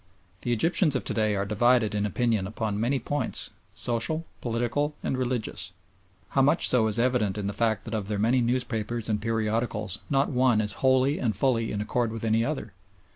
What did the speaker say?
The Egyptians of to day are divided in opinion upon many points, social, political, and religious; how much so is evident in the fact that of their many newspapers and periodicals not one is wholly and fully in accord with any other.